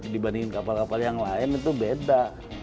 dibandingin kapal kapal yang lain itu beda